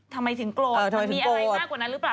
ทำไมถึงโกรธมันมีอะไรมากกว่านั้นหรือเปล่า